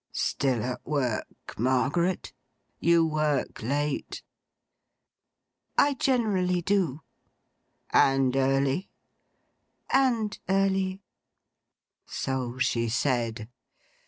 'Still at work, Margaret? You work late.' 'I generally do.' 'And early?' 'And early.' 'So she said.